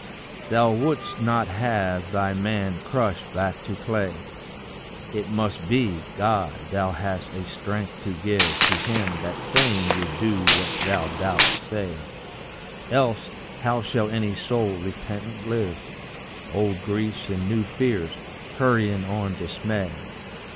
Thou wouldst not have thy man crushed back to clay; It must be, God, thou hast a strength to give To him that fain would do what thou dost say; Else how shall any soul repentant live, Old griefs and new fears hurrying on dismay?